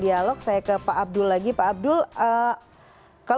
dimana mungkin rahit sedaya target bagi berphonevol